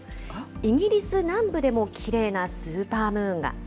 イギリス南部でもきれいなスーパームーンが。